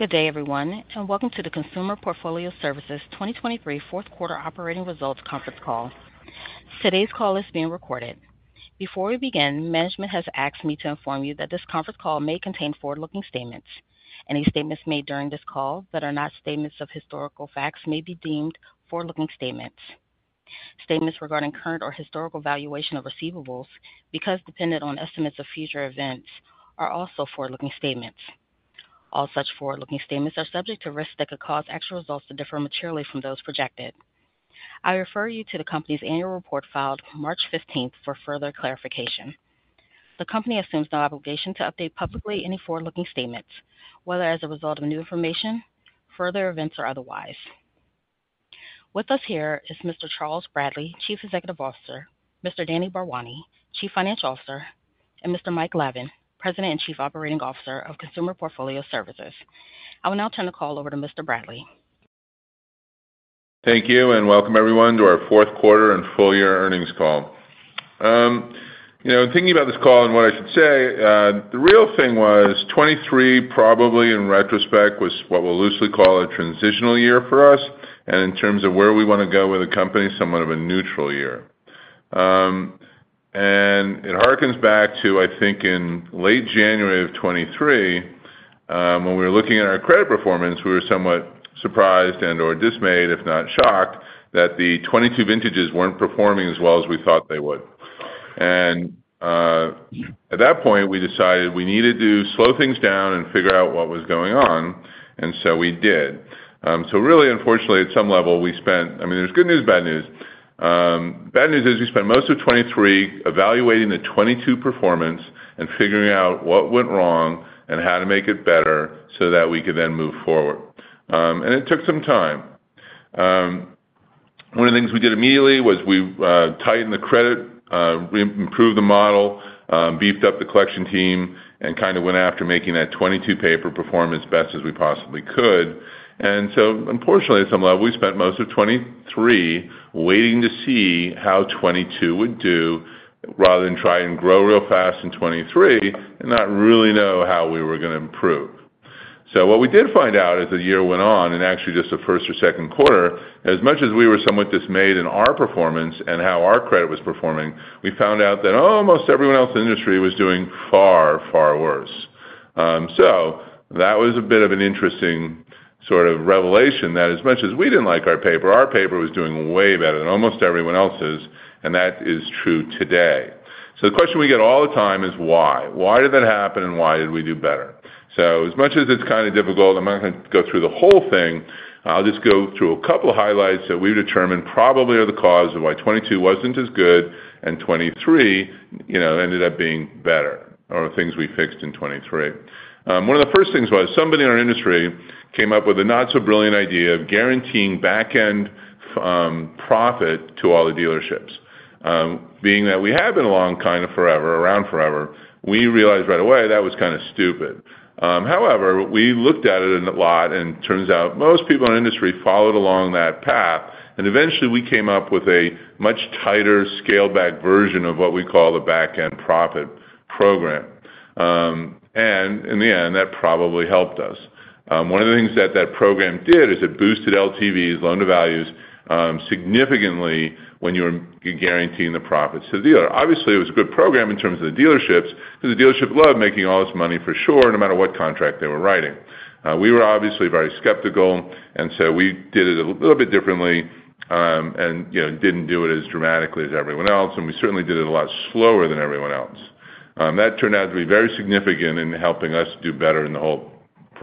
Good day, everyone, and welcome to the Consumer Portfolio Services 2023 Fourth Quarter Operating Results Conference Call. Today's call is being recorded. Before we begin, management has asked me to inform you that this conference call may contain forward-looking statements. Any statements made during this call that are not statements of historical facts may be deemed forward-looking statements. Statements regarding current or historical valuation of receivables, because dependent on estimates of future events, are also forward-looking statements. All such forward-looking statements are subject to risks that could cause actual results to differ materially from those projected. I refer you to the company's annual report filed March 15th for further clarification. The company assumes no obligation to update publicly any forward-looking statements, whether as a result of new information, further events, or otherwise. With us here is Mr. Charles Bradley, Chief Executive Officer, Mr. Danyal Bharwani, Chief Financial Officer, and Mr. Mike Lavin, President and Chief Operating Officer of Consumer Portfolio Services. I will now turn the call over to Mr. Bradley. Thank you, and welcome, everyone, to our Fourth Quarter and Full-year Earnings Call. You know, thinking about this call and what I should say, the real thing was 2023 probably, in retrospect, was what we'll loosely call a transitional year for us, and in terms of where we want to go with the company, somewhat of a neutral year. It harkens back to, I think, in late January of 2023, when we were looking at our credit performance, we were somewhat surprised and/or dismayed, if not shocked, that the 2022 vintages weren't performing as well as we thought they would. At that point, we decided we needed to slow things down and figure out what was going on, and so we did. So really, unfortunately, at some level, we spent I mean, there's good news, bad news. bad news is we spent most of 2023 evaluating the 2022 performance and figuring out what went wrong and how to make it better so that we could then move forward. It took some time. One of the things we did immediately was we tightened the credit, re-improved the model, beefed up the collection team, and kind of went after making that 2022 paper perform as best as we possibly could. So, unfortunately, at some level, we spent most of 2023 waiting to see how 2022 would do rather than try and grow real fast in 2023 and not really know how we were gonna improve. So what we did find out as the year went on, and actually just the first or second quarter, as much as we were somewhat dismayed in our performance and how our credit was performing, we found out that almost everyone else in the industry was doing far, far worse. So that was a bit of an interesting sort of revelation that as much as we didn't like our paper, our paper was doing way better than almost everyone else's, and that is true today. So the question we get all the time is why. Why did that happen, and why did we do better? So as much as it's kind of difficult, I'm not gonna go through the whole thing. I'll just go through a couple of highlights that we've determined probably are the cause of why 2022 wasn't as good and 2023, you know, ended up being better, or things we fixed in 2023. One of the first things was somebody in our industry came up with a not-so-brilliant idea of guaranteeing backend profit to all the dealerships. Being that we have been along kind of forever, around forever, we realized right away that was kind of stupid. However, we looked at it a lot, and it turns out most people in the industry followed along that path, and eventually, we came up with a much tighter, scaled-back version of what we call the backend profit program. In the end, that probably helped us. One of the things that that program did is it boosted LTVs, loan-to-values, significantly when you were guaranteeing the profit to the dealer. Obviously, it was a good program in terms of the dealerships 'cause the dealership loved making all this money for sure no matter what contract they were writing. We were obviously very skeptical, and so we did it a little bit differently, and, you know, didn't do it as dramatically as everyone else, and we certainly did it a lot slower than everyone else. That turned out to be very significant in helping us do better in the whole process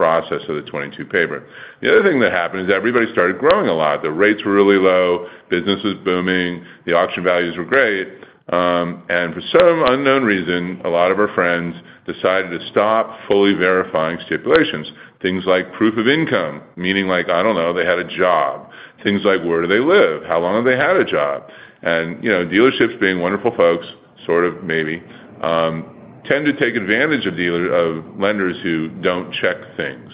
of the 2022 paper. The other thing that happened is everybody started growing a lot. The rates were really low. Business was booming. The auction values were great. And for some unknown reason, a lot of our friends decided to stop fully verifying stipulations, things like proof of income, meaning, like, I don't know, they had a job, things like, where do they live, how long have they had a job. And, you know, dealerships being wonderful folks, sort of, maybe, tend to take advantage of dealers or lenders who don't check things.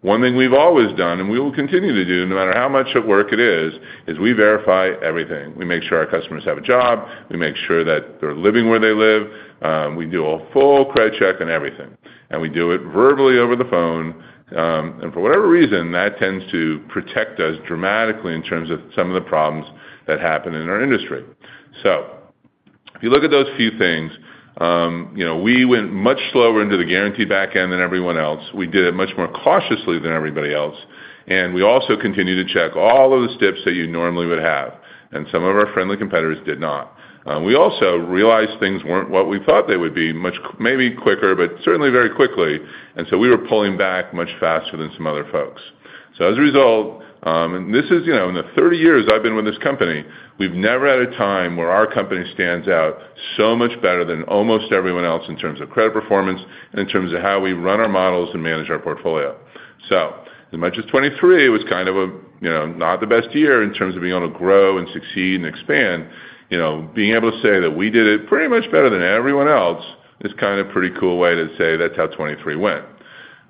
One thing we've always done, and we will continue to do no matter how much work it is, is we verify everything. We make sure our customers have a job. We make sure that they're living where they live. We do a full credit check on everything. And we do it verbally over the phone. And for whatever reason, that tends to protect us dramatically in terms of some of the problems that happen in our industry. So if you look at those few things, you know, we went much slower into the guaranteed backend than everyone else. We did it much more cautiously than everybody else. And we also continue to check all of the steps that you normally would have. And some of our friendly competitors did not. We also realized things weren't what we thought they would be much quicker, maybe quicker, but certainly very quickly. And so we were pulling back much faster than some other folks. So as a result, and this is, you know, in the 30 years I've been with this company, we've never had a time where our company stands out so much better than almost everyone else in terms of credit performance and in terms of how we run our models and manage our portfolio. So as much as 2023 was kind of a, you know, not the best year in terms of being able to grow and succeed and expand, you know, being able to say that we did it pretty much better than everyone else is kind of a pretty cool way to say that's how 2023 went.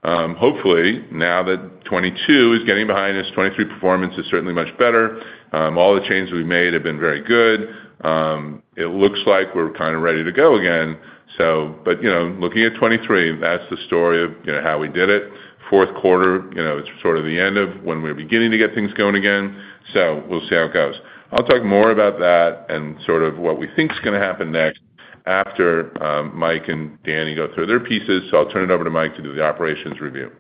Hopefully, now that 2022 is getting behind us, 2023 performance is certainly much better. All the changes we've made have been very good. It looks like we're kind of ready to go again, so. But, you know, looking at 2023, that's the story of, you know, how we did it. Fourth quarter, you know, it's sort of the end of when we're beginning to get things going again. So we'll see how it goes. I'll talk more about that and sort of what we think's gonna happen next after Mike and Danyal go through their pieces. So I'll turn it over to Mike to do the operations review.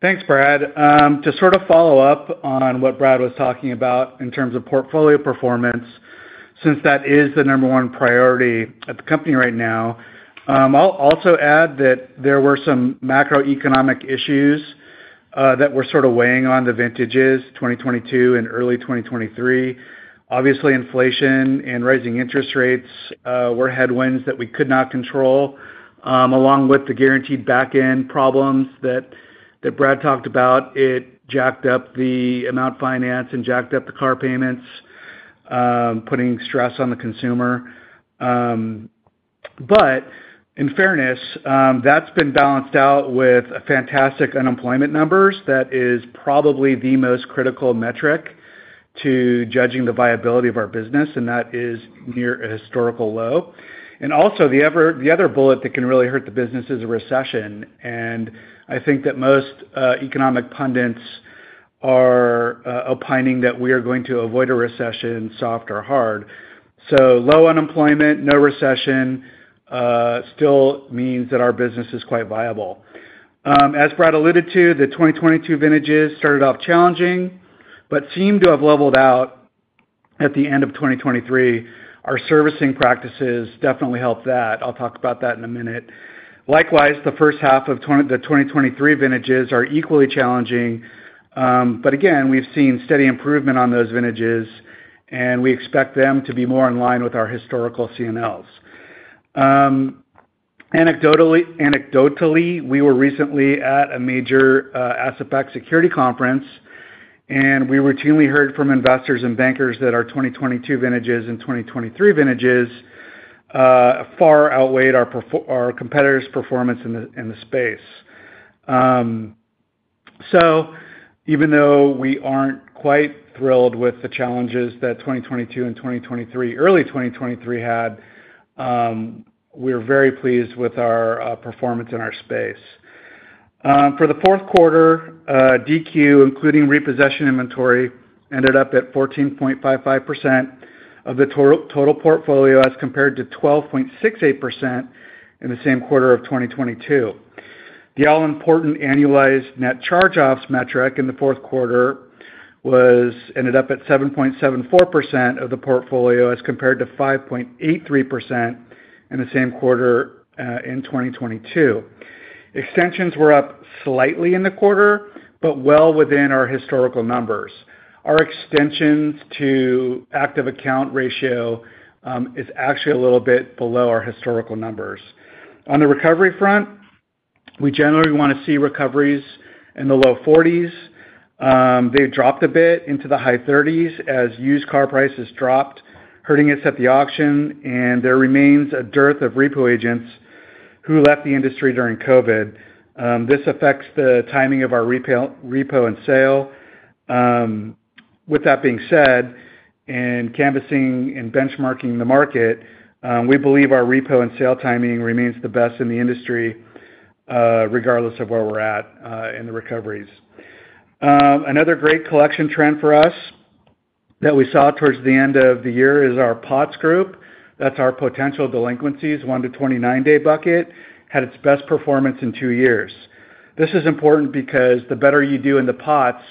Thanks, Brad. To sort of follow up on what Brad was talking about in terms of portfolio performance, since that is the number one priority at the company right now, I'll also add that there were some macroeconomic issues that were sort of weighing on the vintages, 2022 and early 2023. Obviously, inflation and rising interest rates were headwinds that we could not control, along with the guaranteed backend problems that Brad talked about. It jacked up the amount financed and jacked up the car payments, putting stress on the consumer. But in fairness, that's been balanced out with fantastic unemployment numbers. That is probably the most critical metric to judging the viability of our business, and that is near a historical low. And also, the other bullet that can really hurt the business is a recession. And I think that most economic pundits are opining that we are going to avoid a recession, soft or hard. So low unemployment, no recession, still means that our business is quite viable. As Brad alluded to, the 2022 vintages started off challenging but seemed to have leveled out at the end of 2023. Our servicing practices definitely helped that. I'll talk about that in a minute. Likewise, the first half of 2023 vintages are equally challenging. But again, we've seen steady improvement on those vintages, and we expect them to be more in line with our historical C&Ls. Anecdotally, we were recently at a major asset-backed securities conference, and we routinely heard from investors and bankers that our 2022 vintages and 2023 vintages far outweighed our competitors' performance in the space. So even though we aren't quite thrilled with the challenges that 2022 and 2023 early 2023 had, we're very pleased with our performance in our space. For the fourth quarter, DQ, including repossession inventory, ended up at 14.55% of the total total portfolio as compared to 12.68% in the same quarter of 2022. The all-important annualized net charge-offs metric in the fourth quarter was ended up at 7.74% of the portfolio as compared to 5.83% in the same quarter, in 2022. Extensions were up slightly in the quarter but well within our historical numbers. Our extensions to active account ratio is actually a little bit below our historical numbers. On the recovery front, we generally want to see recoveries in the low 40s. They've dropped a bit into the high 30s as used car prices dropped, hurting us at the auction. There remains a dearth of repo agents who left the industry during COVID. This affects the timing of our repair, repo and sale. With that being said, in canvassing and benchmarking the market, we believe our repo and sale timing remains the best in the industry, regardless of where we're at, in the recoveries. Another great collection trend for us that we saw towards the end of the year is our POTS group. That's our potential delinquencies, 1-29-day bucket, had its best performance in two years. This is important because the better you do in the POTS,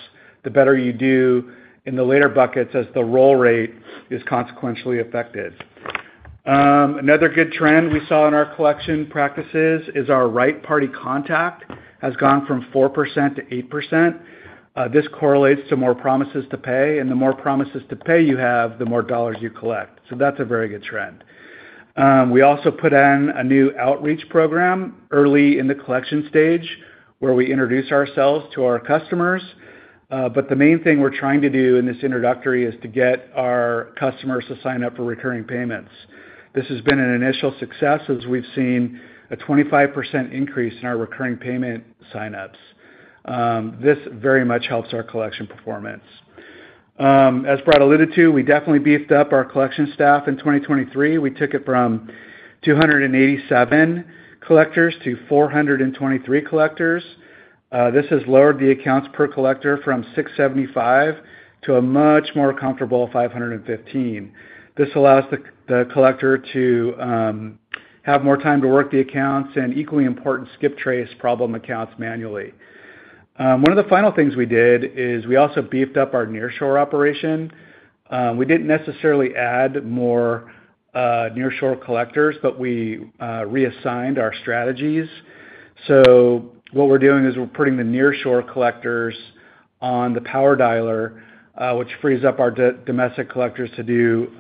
the better you do in the later buckets as the roll rate is consequentially affected. Another good trend we saw in our collection practices is our right-party contact has gone from 4%-8%. This correlates to more promises to pay. The more promises to pay you have, the more dollars you collect. That's a very good trend. We also put in a new outreach program early in the collection stage where we introduce ourselves to our customers. The main thing we're trying to do in this introductory is to get our customers to sign up for recurring payments. This has been an initial success as we've seen a 25% increase in our recurring payment signups. This very much helps our collection performance. As Brad alluded to, we definitely beefed up our collection staff in 2023. We took it from 287 collectors to 423 collectors. This has lowered the accounts per collector from 675 to a much more comfortable 515. This allows the collector to have more time to work the accounts and equally important skip trace problem accounts manually. One of the final things we did is we also beefed up our nearshore operation. We didn't necessarily add more nearshore collectors, but we reassigned our strategies. So what we're doing is we're putting the nearshore collectors on the power dialer, which frees up our domestic collectors to do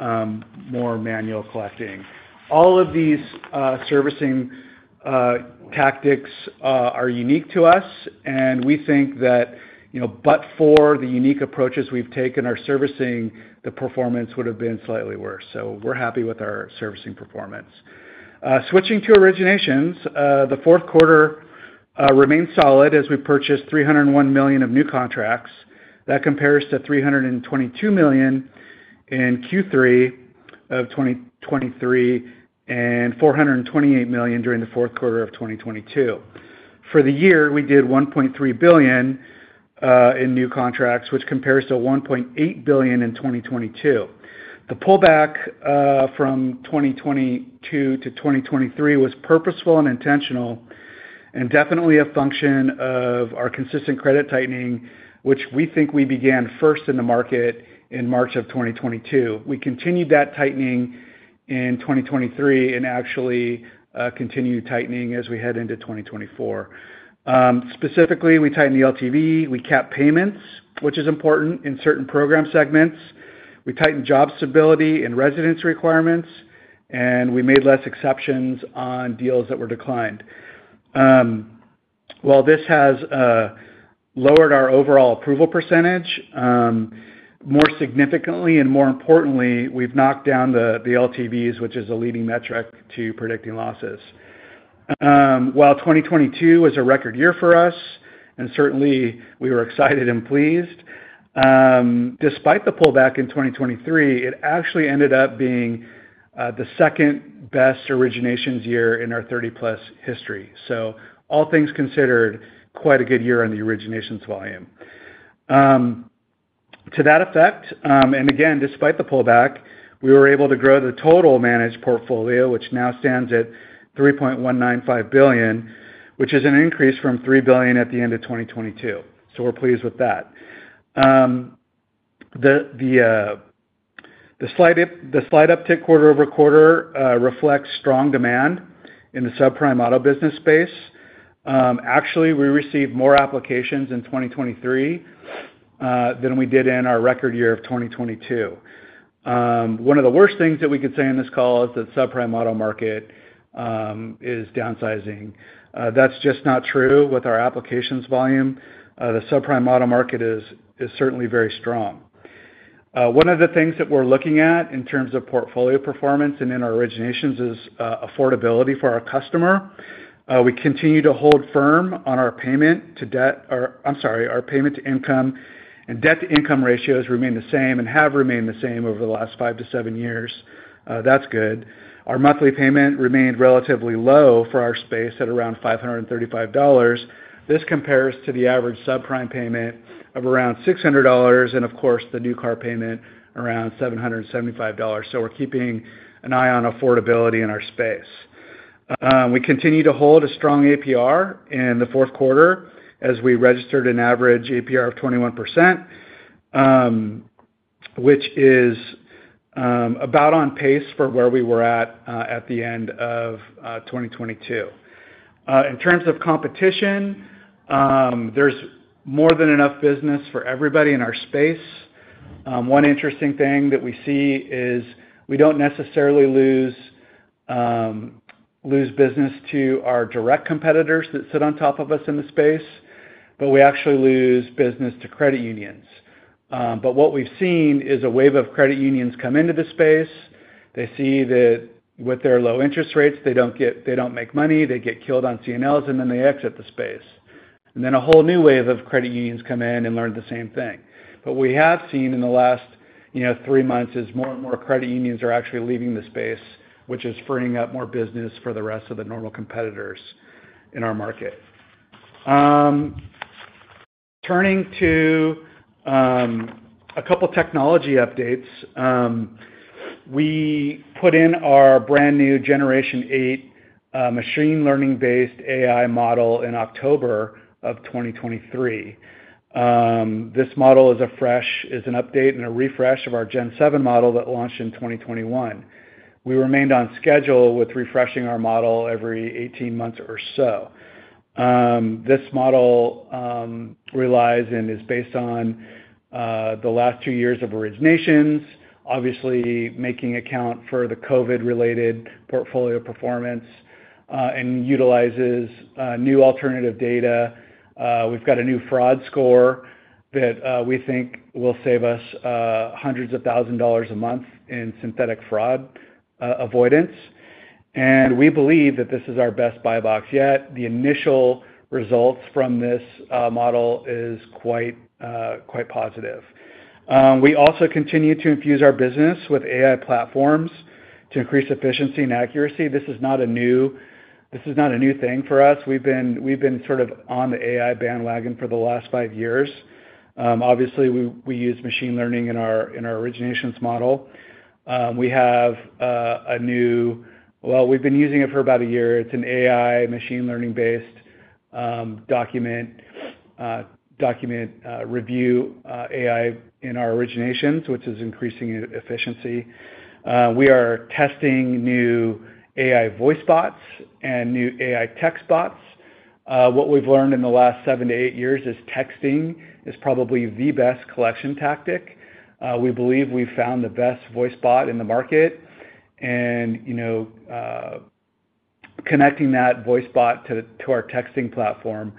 more manual collecting. All of these servicing tactics are unique to us. And we think that, you know, but for the unique approaches we've taken, our servicing performance would have been slightly worse. So we're happy with our servicing performance. Switching to originations, the fourth quarter remained solid as we purchased $301 million of new contracts. That compares to $322 million in Q3 of 2023 and $428 million during the fourth quarter of 2022. For the year, we did $1.3 billion in new contracts, which compares to $1.8 billion in 2022. The pullback from 2022-2023 was purposeful and intentional and definitely a function of our consistent credit tightening, which we think we began first in the market in March of 2022. We continued that tightening in 2023 and actually continued tightening as we head into 2024. Specifically, we tightened the LTV. We capped payments, which is important in certain program segments. We tightened job stability and residence requirements. We made less exceptions on deals that were declined. While this has lowered our overall approval percentage, more significantly and more importantly, we've knocked down the LTVs, which is a leading metric to predicting losses. While 2022 was a record year for us, and certainly we were excited and pleased, despite the pullback in 2023, it actually ended up being the second-best originations year in our 30-plus history. So all things considered, quite a good year on the originations volume. To that effect, and again, despite the pullback, we were able to grow the total managed portfolio, which now stands at $3.195 billion, which is an increase from $3 billion at the end of 2022. So we're pleased with that. The slight uptick quarter over quarter reflects strong demand in the subprime auto business space. Actually, we received more applications in 2023 than we did in our record year of 2022. One of the worst things that we could say in this call is that subprime auto market is downsizing. That's just not true with our applications volume. The subprime auto market is certainly very strong. One of the things that we're looking at in terms of portfolio performance and in our originations is affordability for our customer. We continue to hold firm on our payment to debt or I'm sorry. Our payment to income and debt to income ratios remain the same and have remained the same over the last 5-7 years. That's good. Our monthly payment remained relatively low for our space at around $535. This compares to the average subprime payment of around $600 and, of course, the new car payment around $775. So we're keeping an eye on affordability in our space. We continue to hold a strong APR in the fourth quarter as we registered an average APR of 21%, which is about on pace for where we were at the end of 2022. In terms of competition, there's more than enough business for everybody in our space. One interesting thing that we see is we don't necessarily lose, lose business to our direct competitors that sit on top of us in the space, but we actually lose business to credit unions. But what we've seen is a wave of credit unions come into the space. They see that with their low interest rates, they don't get they don't make money. They get killed on C&Ls, and then they exit the space. And then a whole new wave of credit unions come in and learn the same thing. But what we have seen in the last, you know, three months is more and more credit unions are actually leaving the space, which is freeing up more business for the rest of the normal competitors in our market. Turning to a couple technology updates, we put in our brand new Generation 8 machine learning-based AI model in October of 2023. This model is a fresh update and a refresh of our Gen 7 model that launched in 2021. We remained on schedule with refreshing our model every 18 months or so. This model relies and is based on the last two years of originations, obviously taking into account the COVID-related portfolio performance, and utilizes new alternative data. We've got a new fraud score that we think will save us hundreds of thousands a month in synthetic fraud avoidance. And we believe that this is our best buy box yet. The initial results from this model are quite positive. We also continue to infuse our business with AI platforms to increase efficiency and accuracy. This is not a new this is not a new thing for us. We've been we've been sort of on the AI bandwagon for the last 5 years. Obviously, we, we use machine learning in our in our originations model. We have, a new well, we've been using it for about a year. It's an AI machine learning-based, document, document, review, AI in our originations, which is increasing efficiency. We are testing new AI voice bots and new AI text bots. What we've learned in the last 7-8 years is texting is probably the best collection tactic. We believe we've found the best voice bot in the market. And, you know, connecting that voice bot to, to our texting platform,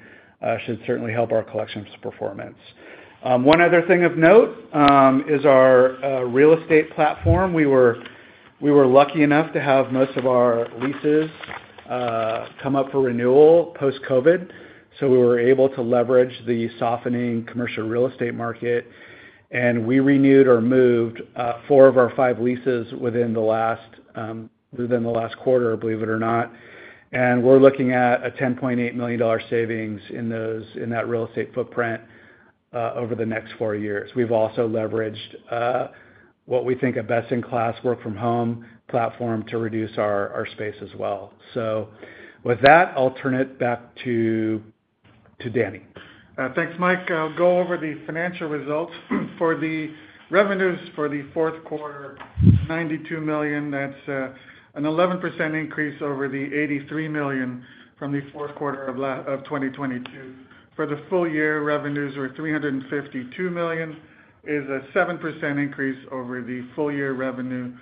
should certainly help our collections performance. One other thing of note, is our, real estate platform. We were lucky enough to have most of our leases come up for renewal post-COVID. So we were able to leverage the softening commercial real estate market. We renewed or moved 4 of our 5 leases within the last quarter, believe it or not. We're looking at a $10.8 million savings in that real estate footprint over the next 4 years. We've also leveraged what we think a best-in-class work-from-home platform to reduce our space as well. So with that, I'll turn it back to Danyal. Thanks, Mike. I'll go over the financial results. For the revenues for the fourth quarter, $92 million. That's an 11% increase over the $83 million from the fourth quarter of 2022. For the full year, revenues were $352 million, is a 7% increase over the full year revenue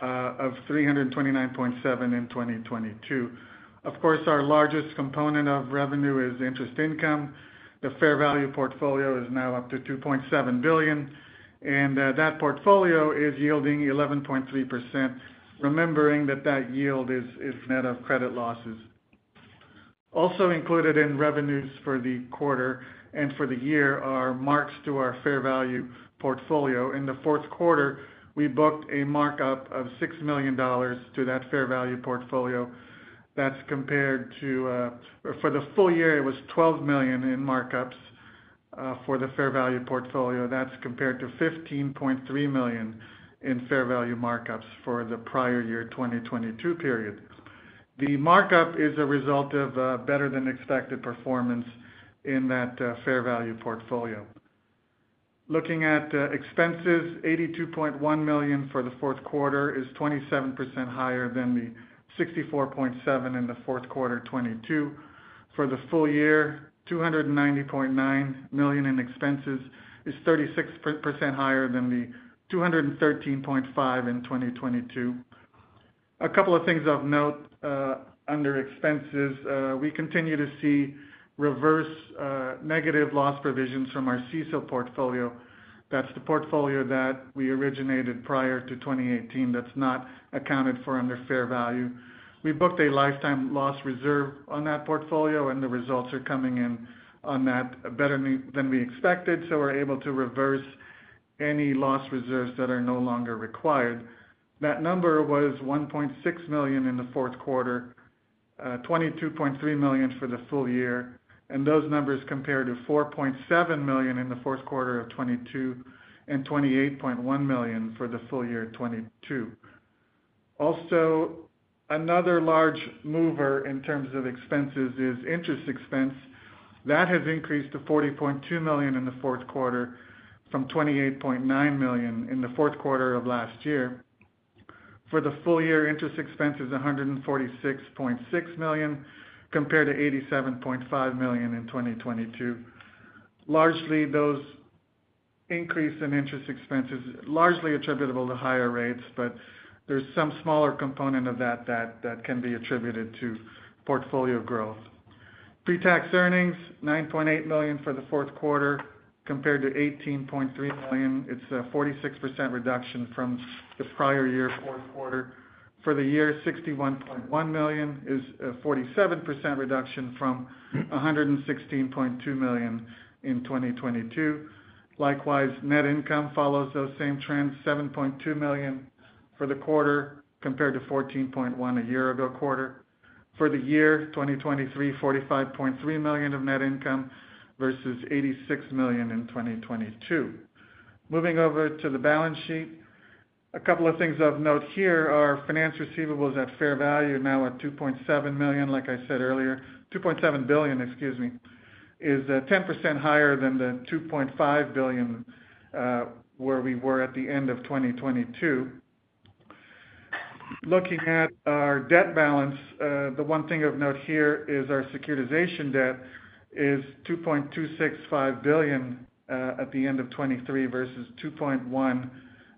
of $329.7 million in 2022. Of course, our largest component of revenue is interest income. The fair value portfolio is now up to $2.7 billion. And that portfolio is yielding 11.3%, remembering that that yield is net of credit losses. Also included in revenues for the quarter and for the year are marks to our fair value portfolio. In the fourth quarter, we booked a markup of $6 million to that fair value portfolio. That's compared to or for the full year, it was $12 million in markups for the fair value portfolio. That's compared to $15.3 million in fair value markups for the prior year 2022 period. The markup is a result of better-than-expected performance in that fair value portfolio. Looking at expenses, $82.1 million for the fourth quarter is 27% higher than the $64.7 million in the fourth quarter 2022. For the full year, $290.9 million in expenses is 36% higher than the $213.5 million in 2022. A couple of things of note under expenses, we continue to see reverse negative loss provisions from our CECL portfolio. That's the portfolio that we originated prior to 2018 that's not accounted for under fair value. We booked a lifetime loss reserve on that portfolio, and the results are coming in on that better than we expected. So we're able to reverse any loss reserves that are no longer required. That number was $1.6 million in the fourth quarter, $22.3 million for the full year. Those numbers compare to $4.7 million in the fourth quarter of 2022 and $28.1 million for the full year 2022. Also, another large mover in terms of expenses is interest expense. That has increased to $40.2 million in the fourth quarter from $28.9 million in the fourth quarter of last year. For the full year, interest expense is $146.6 million compared to $87.5 million in 2022. Largely, those increase in interest expenses largely attributable to higher rates, but there's some smaller component of that that can be attributed to portfolio growth. Pre-tax earnings, $9.8 million for the fourth quarter compared to $18.3 million. It's a 46% reduction from the prior year, fourth quarter. For the year, $61.1 million is a 47% reduction from $116.2 million in 2022. Likewise, net income follows those same trends, $7.2 million for the quarter compared to $14.1 million a year ago, quarter. For the year 2023, $45.3 million of net income versus $86 million in 2022. Moving over to the balance sheet, a couple of things of note here are finance receivables at fair value, now at $2.7 million, like I said earlier $2.7 billion, excuse me, is 10% higher than the $2.5 billion, where we were at the end of 2022. Looking at our debt balance, the one thing of note here is our securitization debt is $2.265 billion at the end of 2023 versus $2.1 billion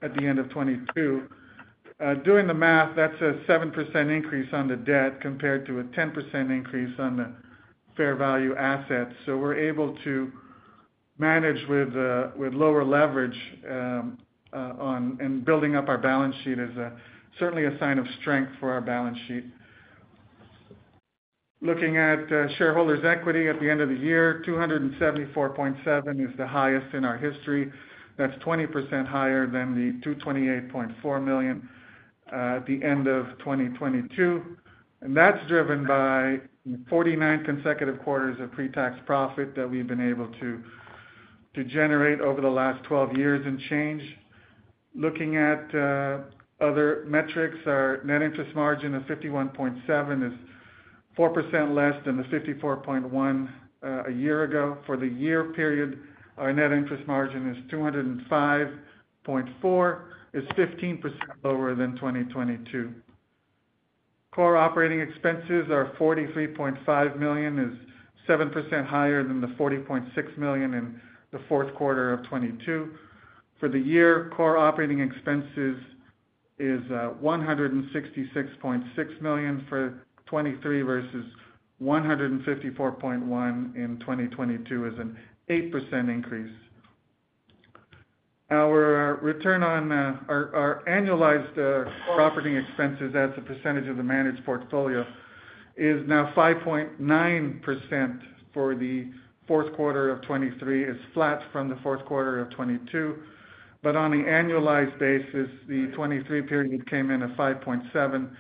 at the end of 2022. Doing the math, that's a 7% increase on the debt compared to a 10% increase on the fair value assets. So we're able to manage with, with lower leverage, on and building up our balance sheet is certainly a sign of strength for our balance sheet. Looking at shareholders' equity at the end of the year, $274.7 million is the highest in our history. That's 20% higher than the $228.4 million at the end of 2022. And that's driven by 49 consecutive quarters of pre-tax profit that we've been able to, to generate over the last 12 years and change. Looking at other metrics, our net interest margin of 51.7 is 4% less than the 54.1 a year ago. For the year period, our net interest margin is 205.4, is 15% lower than 2022. Core operating expenses are $43.5 million, is 7% higher than the $40.6 million in the fourth quarter of 2022. For the year, core operating expenses is $166.6 million for 2023 versus $154.1 million in 2022, is an 8% increase. Our annualized core operating expenses, that's a percentage of the managed portfolio, is now 5.9% for the fourth quarter of 2023, is flat from the fourth quarter of 2022. But on the annualized basis, the 2023 period came in at 5.7%,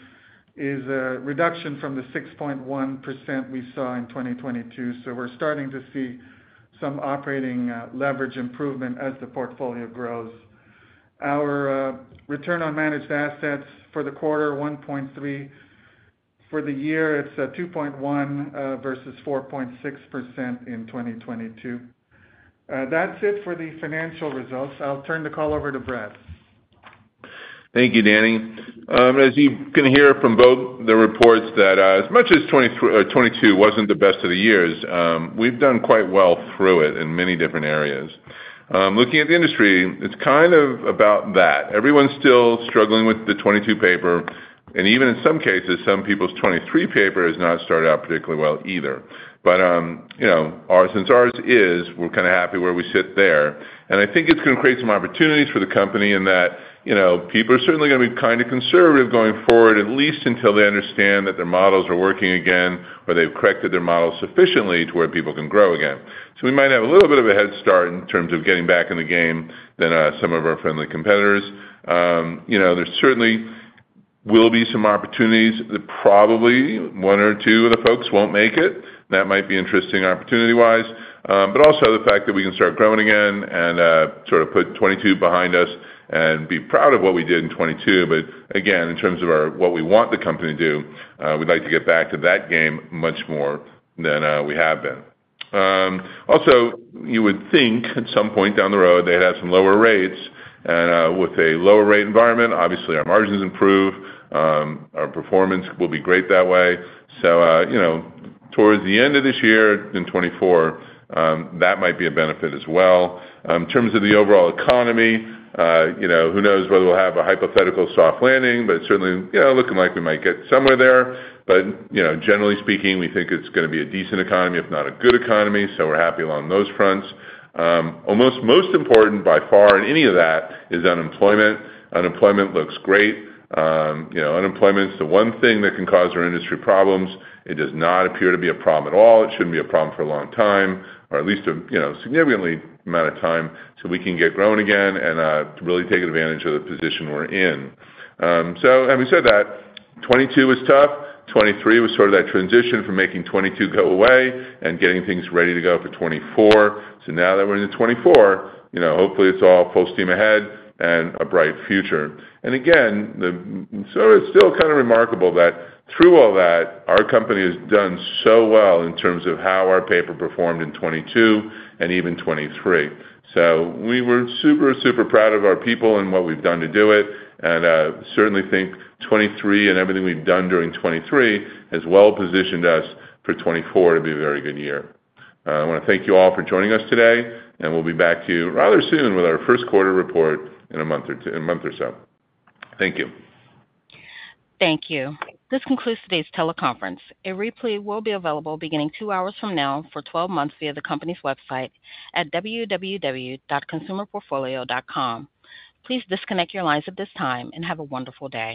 is a reduction from the 6.1% we saw in 2022. So we're starting to see some operating leverage improvement as the portfolio grows. Our return on managed assets for the quarter, 1.3%. For the year, it's 2.1%, versus 4.6% in 2022. That's it for the financial results. I'll turn the call over to Brad. Thank you, Danyal. As you can hear from both the reports that, as much as 2023 or 2022 wasn't the best of the years, we've done quite well through it in many different areas. Looking at the industry, it's kind of about that. Everyone's still struggling with the 2022 paper. And even in some cases, some people's 2023 paper has not started out particularly well either. But, you know, our since ours is, we're kind of happy where we sit there. And I think it's going to create some opportunities for the company in that, you know, people are certainly going to be kind of conservative going forward, at least until they understand that their models are working again or they've corrected their models sufficiently to where people can grow again. So we might have a little bit of a head start in terms of getting back in the game than some of our friendly competitors. You know, there certainly will be some opportunities that probably one or two of the folks won't make it. That might be interesting opportunity-wise. But also the fact that we can start growing again and sort of put 2022 behind us and be proud of what we did in 2022. But again, in terms of our what we want the company to do, we'd like to get back to that game much more than we have been. Also, you would think at some point down the road, they'd have some lower rates. And with a lower rate environment, obviously, our margins improve. Our performance will be great that way. So, you know, towards the end of this year in 2024, that might be a benefit as well. In terms of the overall economy, you know, who knows whether we'll have a hypothetical soft landing, but certainly, you know, looking like we might get somewhere there. But, you know, generally speaking, we think it's going to be a decent economy, if not a good economy. So we're happy along those fronts. Almost most important by far in any of that is unemployment. Unemployment looks great. You know, unemployment's the one thing that can cause our industry problems. It does not appear to be a problem at all. It shouldn't be a problem for a long time, or at least a, you know, significantly amount of time so we can get growing again and, really take advantage of the position we're in. So having said that, 2022 was tough. 2023 was sort of that transition from making 2022 go away and getting things ready to go for 2024. So now that we're into 2024, you know, hopefully, it's all full steam ahead and a bright future. And again, so it's still kind of remarkable that through all that, our company has done so well in terms of how our paper performed in 2022 and even 2023. So we were super, super proud of our people and what we've done to do it. And certainly think 2023 and everything we've done during 2023 has well positioned us for 2024 to be a very good year. I want to thank you all for joining us today. And we'll be back to you rather soon with our first quarter report in a month or two in a month or so. Thank you. Thank you. This concludes today's teleconference. A replay will be available beginning two hours from now for 12 months via the company's website at www.consumerportfolio.com. Please disconnect your lines at this time and have a wonderful day.